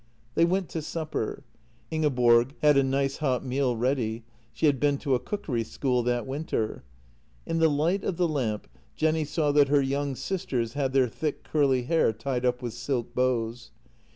They went to supper. Ingeborg had a nice hot meal ready; she had been to a cookery school that winter. In the light of the lamp Jenny saw that her young sisters had their thick curly hair tied up with silk bows.